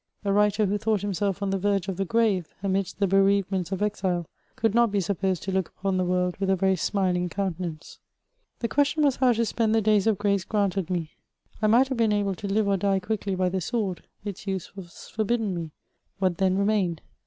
A writer, who thought himself on the verge of the g^ave, amidst the bereavements of exile, could not be supposed to look upon the world with a very smiling; countenance. The question was how to spend the days of grace gp anted me. I might have been able to live or die qiuckly by the sword ; its use was forbidden me : what then remained